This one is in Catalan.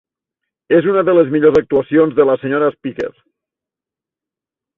És una de les millors actuacions de la Sra. Spacek.